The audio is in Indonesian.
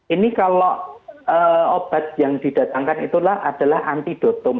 ini kalau obat yang didatangkan itulah adalah antidotum